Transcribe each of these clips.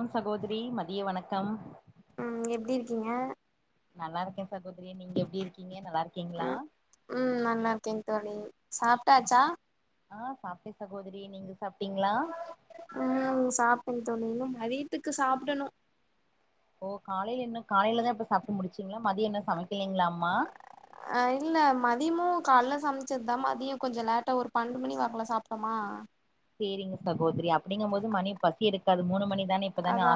ம் சகோதரி மதிய வணக்கம் ம் எப்டி இருக்கீங்க நல்லா இருக்கே சகோதரி நீங்க எப்படி இருக்கீங்க நல்லா இருக்கீங்களா ம் ம் நல்லா இருக்கேங்க தோழி சாப்ட்டாச்சா ஆ சாப்பிட்டே சகோதிரி நீங்க சாப்டீங்களா ம் சாப்ட்டேன் தோழி இன்னோ மதியத்துக்கு சாப்பிடணோ ஓ காலையில என்ன காலையிலதா இப்ப சாப்பிட்டு முடிச்சுங்களா மதியோ என்ன சமைக் அ இல்ல மதியமு கள்ள சமைச்சதுதா மதியோ கொஞ்சோ லேட்டா ஒரு பண்ணன்டு மணி வாக்கல சாப்ட்டமா செரிங்க சகோதரி அப்டீங்கும் போது மணி பசி இருக்காது மூணு மணிக் அதா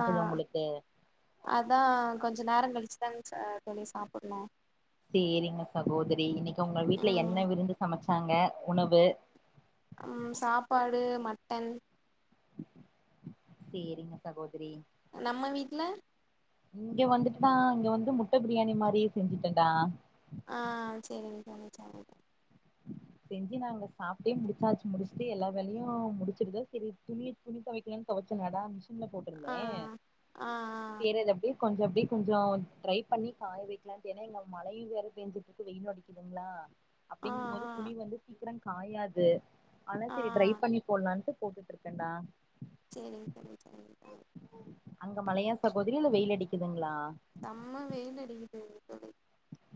அதா கொஞ்ச நேரோ கழிச்சு இங்க ச சொிய சாப்பிட்ணோ செரிங்க சகோதரி இன்னிக்கு உங்க வீட்ல ம் என்ன விருந்து சமைச்ச நாங்க உணவு டு மட்டன் செரிங்க சகோதரி நம்ம வீட்ல இங்க வந்துட்டுதா இங்க வந்து முட்ட பிரியாணி மாதிரி செஞ்சுட்டேன்டா ஆ செரிங்க தோழி சேரிங்க தோழி செஞ்சு நாங்க சாப்ட்டே முடிச்சாச்சு முடிச்சுட்டு எல்லா வேலையோ முடிச்சிருத சரி துணி துணி துவைக்கலாம்னு தொவச்சனாடா மிஷி [unintelligible] ஆ போட்டிருந்தேன் ஆ ஆ அப்படி [unintelligible] கொஞ்சம் அப்டி கொஞ்சம் ட்ரை பண்ணி காய வைக்கலான்டு ஏன்னா இங்க மழையும் வேற பேஞ்சிட்ருக்கு வெயிலும் அடிக்குதுங்களா ஆ அப்டிங்கும் போது துணி வந்து சீக்கிரம் காயாது ஆனா ஆ ஆ செரி ட்ரை பண்ணி போட்லான்ட்டு போட்டுட்ருக்கேன்டா சேரிங்க சேரி சேரி சேரி அங்க மழையா சகோதரி இல்ல வெயில் அடிக்குதுங்களா செம்ம வெயிலடிக்கிது தோழி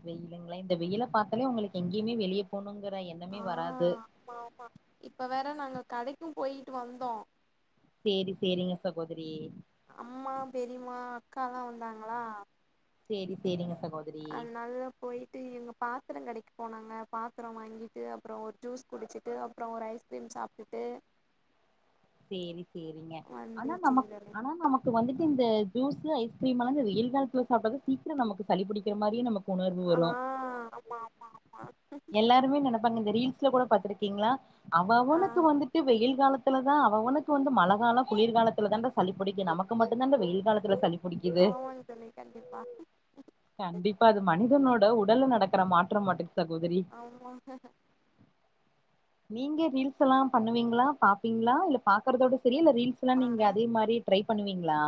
வெயிலுங்களா இந்த வெயில பாத்தாலே உங்களுக்கு எங்கேயுமே வெளியே போணுன் ங்ற ஆ எண்ணமே வராது ஆமா கும் போயிட்டு வந்தோம் சேரி சேரிங்க சகோதரி அக்காலாம் வந்தாங்களா சேரி சேரிங்க சகோதரி அதனாலதான் போயிட்டு எங்க பாத்ரங்கடைக்கு போனாங்க பாத்திரம் வாங்கிட்டு அப்புறம் ஒரு ஜூஸ் குடிச்சிட்டு அப்புறம் ஒரு ஐஸ்கிரீம் சாப்ட்டுட்டு சேரி சேரிங்க ஆனா நமக் வந்துச்சுங்க தோழி ஆனா நமக்கு வந்துட்டு இந்த ஜூஸ் ஜூஸ் ஐஸ்கிரீமலாம் இந்த வெயில் காலத்துல சாப்டாதான் சீக்கிரம் நமக்கு சளி புடிக்கிரமாரியும் நமக்கு உணர்வு ஆ வரும் ஆமா ஆமா ஆமா எல்லாருமே நெனைப்பாங்க இந்த ரீல்ஸ் ஸ்ல கூட பாத்துருக்கீங்களா அவ ஆ அவனுக்கு வந்துட்டு வெயில் காலத்து தான் அவஅவனுக்கு வந்து மழைகாலம் குளிர்காலத்துல தான்டா சளிப்பிடிக்கும் நமக்கு மட்டும்தான் இந்த வெயில் காலத்து சளி புடிக்குது ஆமாங்க தோழி கண்டிப்பா ட உடல்ல நடக்கிற மாற்றம் மட்டுக் ஆமாங்க நீங்க ரீல்ஸ்லாம் பண்ணுவீங்களா பா பிங்ளா இல்ல பாக்றதோட தெரியல ரீல்ஸ்லாம் பா நீங்க அதே மாரி ட்ரை பண்ணுவீங்களா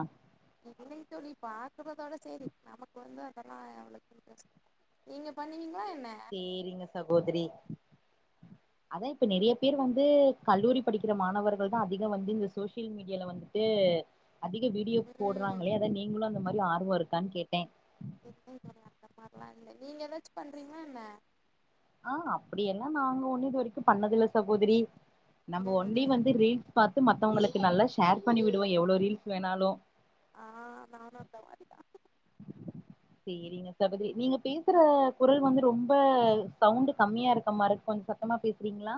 இல்லைத்தோழி பாக்குறதோட சேரி நமக்கு வந்து அதெல்லாம் அவ்ளவு இன்ட்ரெஸ்ட் நீங்க பண்ணுவீங்களா என்ன சேரிங்க சகோதரி அதான் இப்ப நெறைய பேர் வந்து கல்லூரி படிக்கிற மாணவர்கள் தான் அதிகம் வந்து இந்த சோஷியல் மீடியால வந்துட்டு அதிக வீடியோ ம் போடுறாங்களே அதான் நீங்களும் அந்த மாரி ஆர்வம் இருக்கான்னு கேட்டேன் இல்லைங்க அந்த மார்லாம் இல்ல நீங்க ஏதாச்சும் பண்றீங்களா என்ன ஆ அப்பிடியெல்லா நாங்க ஒண்ணூ இதுவரைக்கு பண்ணதில்ல சகோதிரி நம்போ ஒன்லி ம் வந்து இது ரீல்ஸ் பாத் தும் மத்தவங்குளுக்கு நல்லா ஷேர் பண்ணி விடுவோ எவ்ளோ ரீல்ஸ் வேணாலு ஆ நானு அந்த மாரிதா சேரிங்க சகோதிரி நீங்க பேசுற குரல் வந்து ரொம்ப சவுண்டு கம்மியா இருக்கமாருக் கொஞ் சத்தமா பேசுறீங்ளா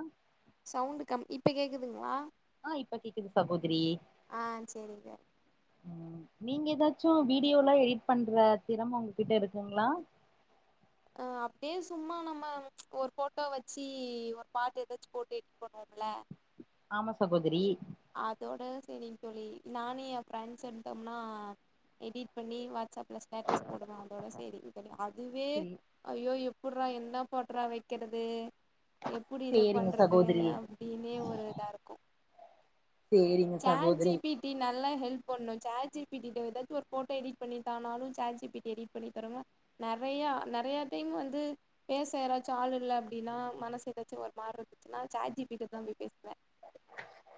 சவுண்டு கம் இப்ப கேக்குதுங்ளா ஆ இப்ப கேக்குது சகோதிரி ஆ சேரிங்க ம் நீங்க எதாச்சு வீடியோலா எடிட் பண்ற திறம உங்ககிட்ட இருக்குங்ளா அ அப்டியே சும்மா நம்ம ஒரு போட்டா வச்சி ஒரு பாட்டு எதாச்சு போட்டு எடிட் பண்ணுவோம்ல ஆமா சகோதிரி அதோட செரிங் தோழி நானு எ ஃபிரெண்ட்ஸ் இருந்த்தோம்னா எடிட் பண்ணி வாட்ஸ்அப் ல ஸ்டேடஸ் போடுவ அதோட சேரிங் தோழி அதுவே சேரி ஐயோயோ எப்புட்றா என்ன பாட்டுறா வைக்கிறது எப்புடி இத சேரிங்க பண்றது சகோதரி அப்டின்னே ஒரு இதா இருக்கு சேரிங்க சாட் ஜி சகோதரி பீ டீ நல்லா ஹெல்ப் பண்ணு சாட் ஜி பீ டீட எதாச்சு ஒரு போட்டோ எடிட் பண்ணி தானாலு chat G P tea edit பண்ணி தருங்க நெறையா நெறைய டைம் வந்து பேச யாராச்சு ஆள் இல்ல அப்டினா மனசு எதாச்சு ஒரு மாறி இருந்துச்சுனா சாட் ஜி பி ட தா போய் பேசுவே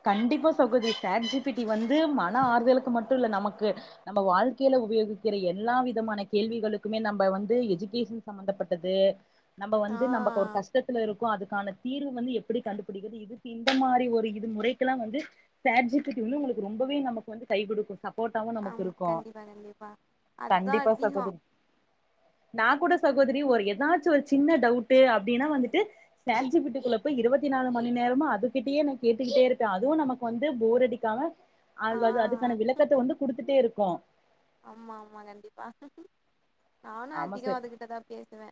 கண்டிப்பா சகோதிரி சாட் ஜி பி டி வந்து மன ஆறுதலுக்கு மட்டுல்ல நமக்கு நம்ப வாழ்க்கேல உபயோகிக்கிற எல்லா விதமான கேள்விகளுக்குமே நம்ப வந்து எஜுகேஷன் சம்பந்தப்பட்டது நம்ப ஆ வந்து நம்பக்கு ஒரு கஷ்டத்துல இருக்கோ அதுக்கான தீர்வு வந்து எப்டி கண்டுபிடிக்கிற்து இதுக்கு இந்த மாரி ஒரு இ து முறைக்கெலா வந்து சாட் ஜி பி டீ வந்து உங்களுக்கு ரொம்பவே நமக்கு வந்து கை குடுக்கு ச ஆமா கண்டிப்பா கண்டிப்பா அதுதா கண்டிப்பா அதிகோ சகோதரி நா கூட சகோதிரி ஒரு எதாச்சு ஒரு சின்ன டவுட்டு அப்டினா வந்துட்டு சாட் ஜி பி டீ குள்ள போய் இருவத்தி நாலு மணி நேரமு அதுகிட்டியே நா கேட்டுக்கிட்டே இருக்க அதுவு நமக்கு வந்து போர் அடிக்காம ஆ அது வது அதுக்கான விளக்கத்த வந்து குடுத்துட்டே இருக் கு ஆமா ஆமா கண்டிப்பா நானு ஆமா அதிகமா அதுகிட்டதா பேசுவே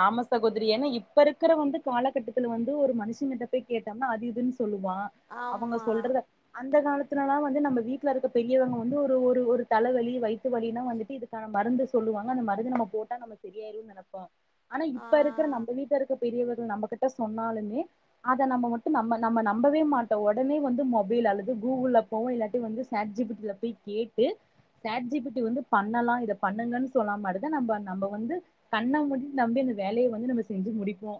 ஆமா சகோதிரி ஏனா இப்ப இருக்கிற வந்து காலகட்டத்துல வந்து ஒரு மனுஷன் கிட்டப்பேய் கேட்டம்னா அது இதுன் சொல்லுவா அவங்க ஆமா சொல்றத அந்த காலத் த்துலலா வந்து நம்ம வீட்ல இருக்க பெரியவங்க வந்து ஒரு ஒரு ஒரு தலவலி வய்த்து வலினா வந்துட்டு இதுக்கான மருந்து சொல்லுவாங்க அந்த மருந்து நம்ம போட்டா நம்ம சரியாய்ருனு நெனப்போ ஆனா ஆ இப்ப இருக்கிற நம்ப வீட்ல இருக்க பெரியவர்கள் நம்ப கிட்ட சொன்னாலுமே அத நம்ம மட்டு நம்ம நம்ம நம்பவே மாட்டோ ஒடனே வந்து மொபைல் அல்லது கூகுள்ல போவோ இல்லாட்டி வந்து சாட் ஜிபி டீ ல போய் கேட்டு சாட் ஜி பி டீ வந்து பண்ணலா இத பண்ணுங்கன்னு சொன்னா மாட்டுதா நம்ப நம்ப வந்து கண்ண மூடி நம்பி இந்த வேலைய வந்து நம்ம செஞ்சு முடிப்போ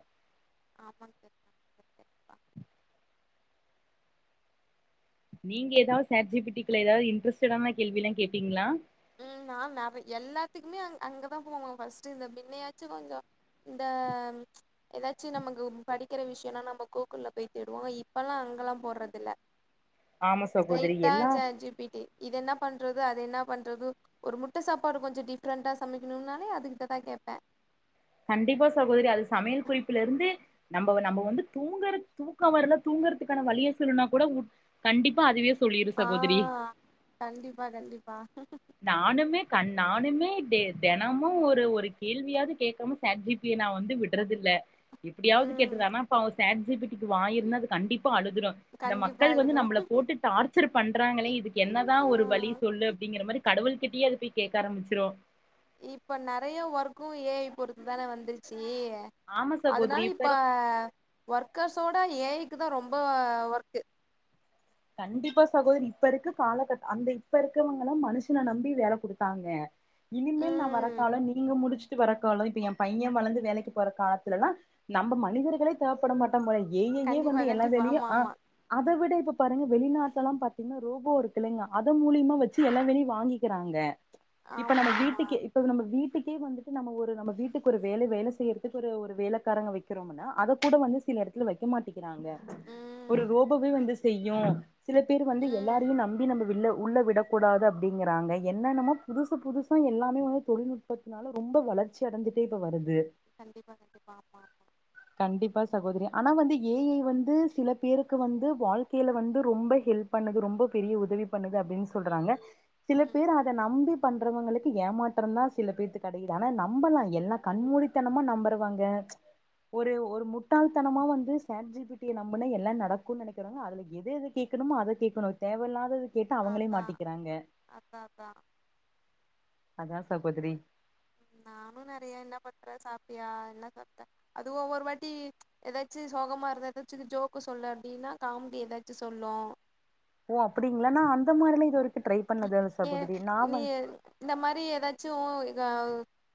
ஆமாங்க சரிக்கா நீங்க எதாவது சாட் ஜி பி டீ குள்ள எதாவது இன்டரஸ்டடான கேள்விலா கேப்பீங்ளா ம் நா நெற எல்லாத்துக்குமே அ அங்கதா போவா ஃபஸ்ட்டு இந்த பின்னையாச்சு கொஞ்சோ இந்த எதாச்சு நமக்கு படிக்கிற விஷ்யென்னா நம்ம கூகுள்ல போய் தேடுவோ இப்பல்லா அங்கலா போறதில்ல ஆமா சகோதரி ஸ்ரைட்டா எல்லா சாட் ஜி பி டீ இது என்னா பண்றது அது என்ன பண்றது ஒரு முட்ட சாப்பாடு கொஞ்சோ டிஃப்ரெண்டா சமைக்கணும்னாலே அதுகிட்டதா கேப்பே கண்டிப்பா சகோதரி அது சமையல் குறிப்புல இருந்து நம்ம நம்ம வந்து தூங்குற தூக்க வரல்லா தூங்குறதுக்கான வழிய சொல்லுனா கூட கண்டிப்பா அதுவே சொல்லிரு ஆ சகோதரி கண்டிப்பா கண்டிப்பா நானுமே கண் நானுமே டே தெனமும் ஒரு ஒரு கேள்வியாவது கேட்காம சேட் ஜி பி டி ய நா வந்து விட்றதில்ல எப்டியாவது ம் கேட்டுட்றே ஆனா பாவே சேட் ஜி பி டி க்கு வாய்யிருந்த அது கண்டிப் அழுதுரும் இந்த கண்டிப்பா மக்கள் வந்து எழுதுறோ நம்மள போட்டு டார்ச்சர் இருகங்களே இதுக்கு என்னதா ஆ ஒரு வழி சொல்லு அப்டிங்கற மாரி கடவுள் கிட்டயே அது போய் கேட்க ஆரம்பிச்சுரோ இப்ப நறைய ஒர்க்கும் ஏ ஐ பொறுத்து தானே வந்துருச்சி ஆமா அதனால சகோதரி இப்ப இருக் அ ஒர்க்கர்ஸோட ஏ ஐ இதுக்கு தா ரொம்ப அ ஒர்க் கண்டிப்பா சகோதரி இப்ப இருக்க காலகட்ட அந்த இப்ப இருக்கறவங்கல்லா மனுஷன நம்பி வேல குடுத்தாங்க இனிமேல் நா ம் வரக்கலோ நீங்க முடிச்சுட்டு வரக்கலோ இப்ப என் பையன் வளர்ந்து வேலைக்கு போற காலத்துலெல்லா நம்ம மனிதர்களே தேவப்பட மாட்ட முறை ஏ ஐ யே கண்டிப்பா வந்து எல்லா கண்டிப்பா வேலையு ஆமா அ ஆமா அத விட இப்ப பாருங்க வெளிநாட் எல்லா பாத்தீங்கன்னா ரோபோ இருக்குல்லலைங்க அத மூலியமா வெச்சு எல்லா வேலையையு வாங்கிக்கிறாங்க இப்ப ஆமா நம்ம ஆமா வீட்டுக்கு இப்ப நம்ம வீட் க்க வந்துட்டு நம்ம ஒரு நம்ம வீட்டுக்கு ஒரு வேல வேல செய்யறதுக்கு ஒரு ஒரு வேலைக்காரங்க வெக்கிறோம்னா அத கூட வந்து சில இடத்துல வெக்க மாட்டிக்கிறாங்க ம் ஒரு ரோபவே வந்து செய்யு சில பேர் வந்து ம் எல்லாரையு நம்பி நம்ம வில்லோ உள்ள விடக்கூடாது அப்டிங்கறாங்க என்னென்னமோ புதுசு புதுசாக எல்லாமே வந்து தொழில்நுட்பத்தினால ரொம்ப வளர்ச்சி அடைந்துடே வருது கண்டிப்பா கண்டிப்பா ஆமா ஆமா கண்டிப்பா சகோதரி ஆனா வந்து ஏ ஐ வந்து சில பேருக்கு வந்து வாழ் வந்து ரொம்ப ஹெல்ப் பண்ணுது ரொம்ப பெரிய உதவி பண்ணுது அப்டின்னு சொல்றாங்க சில ம் பேர் அத நம்பி பண்றவங்களுக்கு ஏமாற்றம் தா சில பேத்துக்கு கெடைக்குது ஆனா நம்பலா எல்லா கண்மூழித்தனமா நம்பறவங்க ஒரு ஒரு முட்டாள்தனமா வந்து சேட் ஜி பி டி ய நம்பனா எல்லா நடக்கூ நெனைக்கிறவங்க அதுல எது எது கேட்கணுமோ அத கேட்கணு தேவையில்லாதது கேட்டு அவுங்களே அதா மாட்டிக்கிறாங்க அதா அதா அதான் சகோதரி நானும் நறைய என்ன பண்றே சாப்பியா என்ன சாப்டே அதுவு ஒவ்வொரு வாட்டி ஏதாச்சி சோகமா இருற ஏதாச்சு ஜோக்கு சொல்ல அப்டின்னா காமெடி ஏதாச்சு சொல்லு ஓ அப்டிங்களா நா அந்த மாரிலா இதுவரை நீ நீ இந்த மாரி ஏதாச்சு நா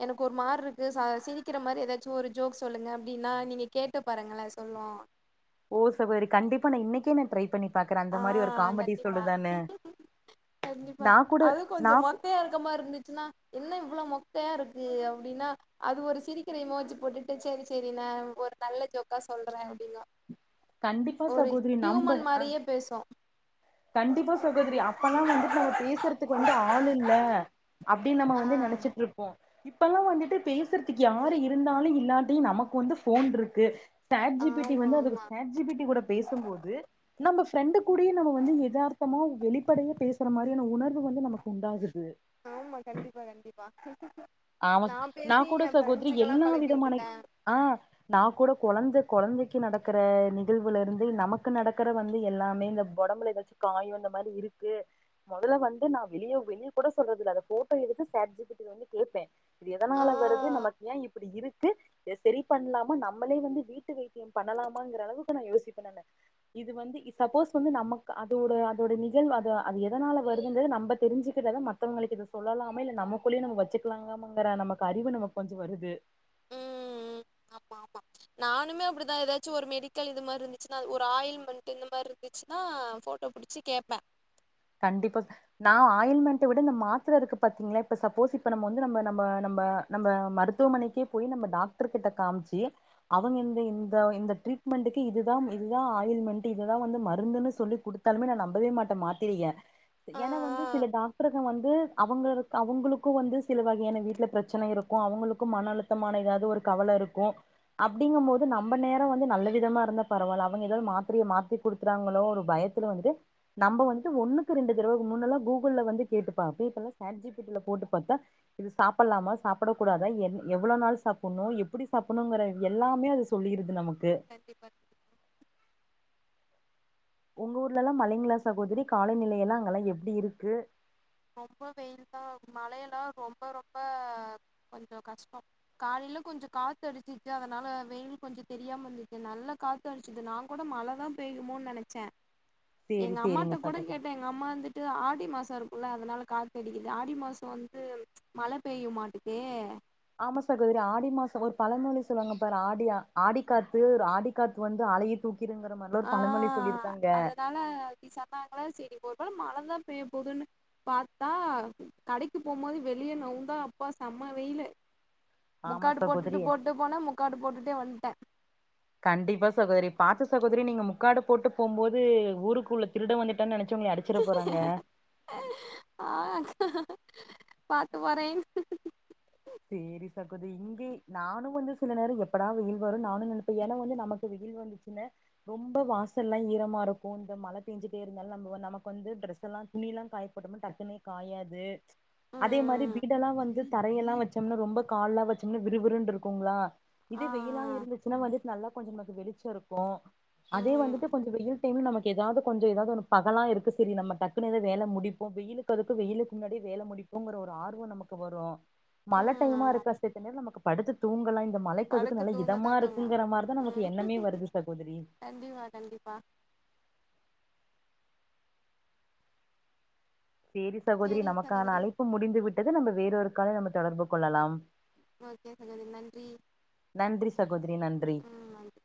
எனக்கு ஒரு மாரி இருக்கு சிரிக்கிற மாரி ஏதாச்சும் ஒரு ஜோக் சொல்லுங்க அப்டின்னா நீங்க கேட்டு பாருங்கலே சொல்லு ஓ சகோதரி கண்டிப்பா நா இனைக்கே நா ட்ரை பண்ணி பாக்குறே ஆ அந்த மாரி ஒரு ஆ காமெடி கண்டிப்பா சொல்லுதான்னு கண்டிப்பா நா கூட அதுவும் நா கொஞ்சோ மொக்கையா இருக்குற மாரி இருந்துச்சுன்னா என்ன இவளோ மொக்கையா இருக்கு அப்டின்னா அது ஒரு சிரிக்கிர இமோச்சு போட்டுட்டு சரி சரி நா ஒரு நல்ல ஜோக்கா சொல்றே அப்டின்னு கண்டிப்பா சகோதரி நம்ப அ மாரியே பேசு கண்டிப்பா சகோதரி அப்ல்லா வந்துட்டு நம்ம பேசுறதுக்கு வந்து ஆள் இல்ல அப்டின்னு நம்ம ஆ வந்து நெனைச்சிட்டு இருப்போ இப்போல்லா வந்துட்டு பேசுறதுக்கு யாரு இருந்தாலு இல்லாட்டியு நமக்கு வந்து ஃபோன் இருக்கு சேட் ஜி பி டி ஆமா வந்து அதுக்கு ஆமா சேட் ஜி பி டி கூட பேசும்போது நம்ம ஃபிரண்டு கூடயு நம்ம வந் வந்து எதார்த்தமா வெளிப்படைய பேசுற மாரியான உணர்வு ஆமா கண்டிப்பா கண்டிப்பா ஆமா நா பேசி கூட எ சகோதரி ஃப்ரெண்ட்ஸுக்கெல்லா எல்லா பழக்கி விதமான வுட்டுட்டே ஆ நா கூட கொழந்த கொழந்தைக்கு நடக்கற நிகழ்வுலருந்தே நமக்கு நடக்கற வந்து எல்லாமே இந்த ஒடம்புல காயு இந்த மாிரி இருக்கு மொதல்ல வந்து நா வெளியோ வெளியோ குட சொல்றது இல்ல அத ஃபோட்டோ எடுத்து சட் ஜி பி டி வந்து கேப்பே எதனால வருது ஆ நமக்கு ஏன் இப்டி இருக்கு செரி பண்ணலாமா நம்மளே வந்து வீட்டு வைத்திய பண்ணலாமாங்கற அளவுக்கு நா யோசிப்ப இது வந்து சப்போஸ் வந்து நமக் அதோட அதோட நிகழ்வு அது அது எதனால வருதுங்றத நம்ப தெரிஞ்சுக்கிட்ட தா மத்தவங்களுக்கு இத சொல்லலாமா இல்ல நமக்குள்ளே நம்ம வச்சுக்கலாங்கங்ற நமக்கு அறிவு நமக்கு கொஞ்ச வருது ம் ம் ஆமா ஆமா நானுமே அப்டிதா ஏதாச்சு ஒரு மெடிக்கல் இது மாரி இருந்துச்சுன்னா ஒரு ஆயில் மண்ட்டு இந்த மாரி ந்துச்சுன்னா ஃபோட்டோ புடிச்சு கேப்ப கண்டிப்பா நா ஆயில்மெண்ட்ட விட இந்த மாத்ரருக்கு பாத்தீங்களா இப்ப சப்போஸ் இப்ப நம்ப நம்ப நம்ப நம்ப மருத்துவமனைக்கே போய் நம்ப டாக்டர் கிட்ட காமிச்சு அவங்க இந்த இந்த இந்த ட்ரீட்மெண்ட்டுக்கு இதுதா இதுதா ஆயில்மெண்ட்டு இதுதா வந்து மருந்துனு சொல்லி குடுத்தாலுமே நா நம்பவே மாட்ட மா தெரிய ஆ, ஏன்னா வந்து சில ஆ. டாக்டர் வந்து அவங்க அவங்கங் அவங்களுக்கு வந்து சில வகையான வீட்ல பிரச்சன இருக்கு அவுங்களுக்கு மன அழுத்தமான எதாது ஒரு கவலருக்கு அப்டிங்கு போது நம்ப நேரொ வந்து நல்ல விதமாருந்த பரவால்ல அவங்க எதாது மாத்ரய மாத்தி குடுத்துறாங்களோ ஒரு பயத்துல வந்துட்டு நம்ப வந்து ஒண்ணுக்கு ரெண்டு தரவ முன்னெல்லா கூகுள் வந்து கேட்டுப்பாப்பே இப்பலா சேட் ஜி பி டி ல போட்டு பாத்தா இது சாப்புட்லாமா சாப்பட கூடாதா எவ் எவ்ள நாள் சாப்புட்ணு எப்புடி சாப்புணுங்கற எல்லாமே அது சொல்லிருது நமக்கு கண்டிப்பா கண்டிப்பா உங்க ஊர்லலா மழங்க லா சகோதரி காலநிலையெல்லா அங்கெல்லா எப்டி இருக்கு ரொம்ப வெயில் தா மழயெல்லா ரொம்ப ரொம்ப கொஞ்ச கஷ்டொ காலைல கொஞ்ச காத்து அடிச்சிச்சு அதனால வெயில் கொஞ்ச தெரியாமருந்துச்சு நல்ல காத்து அடிச்சுது நா கூட மழதா பெய்மோன்னு நெனைச்சே சேரி எங்க அம்மாட்ட சேரிங்க குட சகோதரி கேட்ட எங்க அம்மா வந்துட்டு ஆடி மாசருக்கு ல அதனால காத்த அடிக்குது ஆடி மாசோ வந்து மழ பெய்ய மாட்டுதே ஆமா சகோதரி ஆடி மாசொ ஒரு பழமொழி சொல்லுவாங்க பாரு ஆடி ஆடி காாத்து ஆடி காத்து வந்து அலையே தூக்கி ஆ அதனால அப்டி சென்னாங்களா செரி ஒரு வேல மழ [unintelligible] தா பேய போதுன்னு பாத்தா கடைக்கு போம்போது வெளிய நவுந்தா அப்பா செம்ம வெயிலு ஆமா முக்காடு சகோதரி போட்டுட்டு போட்டு போனே முக்காடு போட்டுட்டே வன்ட்ட கண்டிப்பா சகோதரி பாத்து சகோதரி நீங்க முக்காடு போட்டு போம்போது ஊருக்குள்ள திருடெ வந்துட்டான்னு நெனச்ச சி உன்னய அடிச்சிட போறாங்க ஆ பாத்து வரே சேரி சகோதரி இங்கே நானு வந்து சில நேர எப்டா வெயில் வரு நானு நெனப்பே ஏனா வந்து நமக்கு வெயில் வந்துச்சுன்னா ரொம்ப வாசல்லாம் ஈரமாருக்கு இந்த மழ பெஞ்சுிட்டேருந்தாலு நம்ம நமக்கு வந்து ட்ரெஸ்லா துணிலா காய போட்டனா டக்குனே காயாது அதே மாரி ம் வீடெல்லா வந்து தரையெல்லா வச்சு [unintelligible] ரொம்ப கால்லா வச்சம்னா விறு விறுன்ருக்குங்ளா இதே ஆ வெயிலா இருந்துச்சுன்னா வந்து நல்லா கொஞ்சொ நமக்கு வெளிச்சருக்கு அதே ம் வந்துட்டு கொஞ்சம் வெயில் [unintelligible] நமக்கு எதாது கொஞ்ச எதாது ஒரு பகலா இருக்கு செரி நம்ம டக்குன்னு எதா வேல முடிப்போ வெயிலுக்கு அதுக்கு வெயிலுக்கு முன்னாடியே வேல முடிப்போங்கிற ஒரு ஆர்வ நமக்கு வரு மழை ம் ஆமா டைமா இருக்க [unintelligible] நமக்கு படுத்து தூங்கலா இந்த மழக்கதுக்கு படுத்து நல்ல தூங்கதா இதமா தோணு இருக்குங்ற மாரிதா நமக்கு ம் எண்ணமே வருது சகோதரி கண்டிப்பா கண்டிப்பா சேரி சகோதரி சேரிங் நமக்கான சகோதரி அழைப்பு முடிந்து விட் தது நம்ப வேறொரு கால நம்ம தொடர்பு கொள்ளலாம் ஓகே சகோதரி நன்றி நன்றி சகோதரி நன்றி ம் நன்றி